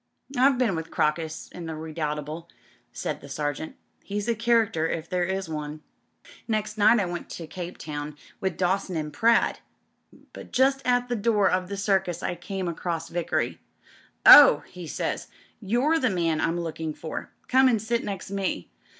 "I've been with Crocus — ^in the Redoubtable,'* sdid the Sergeant. "He's a character if there is one." "Next night I went into Cape Town with Dawson and Pratt; but just at the door of the Circus I came across Vickery. * Ohl' he says, * you're the man I'm looking for. Come and sit next me.